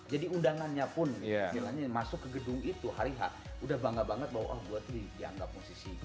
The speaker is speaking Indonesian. jadi undangannya pun yang masuk ke gedung itu hari ha udah bangga banget bahwa oh gue tuh dianggap musisi